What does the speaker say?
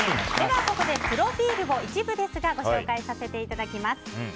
ここでプロフィールを一部ですがご紹介させていただきます。